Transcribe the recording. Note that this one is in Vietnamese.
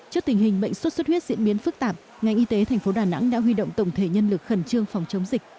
trước tình hình bệnh sốt xuất huyết diễn biến phức tạp ngành y tế thành phố đà nẵng đã huy động tổng thể nhân lực khẩn trương phòng chống dịch